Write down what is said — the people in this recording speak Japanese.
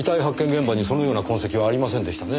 現場にそのような痕跡はありませんでしたね。